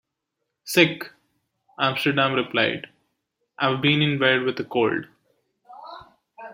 "Sick," Amsterdam replied, "I've been in bed with a cold.